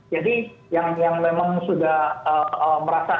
jadi yang memang sudah merasa